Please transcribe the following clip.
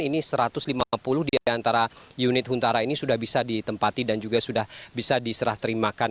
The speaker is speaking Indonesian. ini satu ratus lima puluh diantara unit huntara ini sudah bisa ditempati dan juga sudah bisa diserah terimakan